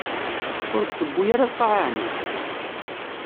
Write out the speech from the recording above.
Ur k-tewwi ara lqaɛa, ɛni?